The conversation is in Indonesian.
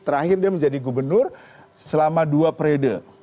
terakhir dia menjadi gubernur selama dua periode